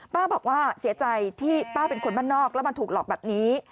บอกว่าเสียใจที่ป้าเป็นคนบ้านนอกแล้วมาถูกหลอกแบบนี้